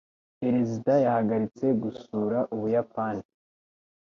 Perezida yahagaritse gusura Ubuyapani.